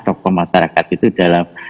tokoh masyarakat itu dalam